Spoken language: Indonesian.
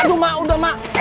aduh mak udah mak